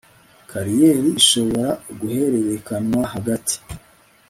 kariyeri ishobora guhererekanwa hagati